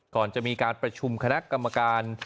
ก่อนจะมีการประชุมคณะกรรมการ